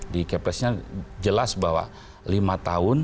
di kpss nya jelas bahwa lima tahun